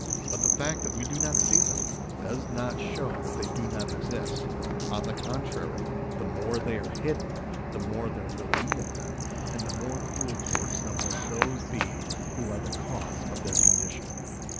But the fact that we do not see them, does not show that they do not exist ; on the contrary, the more they are hidden the more there will be of them, and the more cruel towards them will those be who are the cause of their condition.